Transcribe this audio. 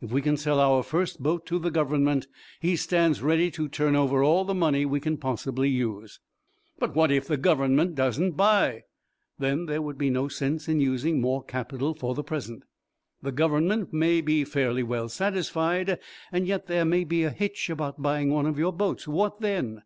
If we can sell our first boat to the Government he stands ready to turn over all the money we can possibly use." "But what if the Government doesn't buy?" "Then there would be no sense in using more capital for the present." "The Government may be fairly well satisfied, and yet there may be a hitch about buying one of your boats. What, then?"